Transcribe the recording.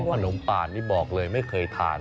ขนมป่านนี่บอกเลยไม่เคยทาน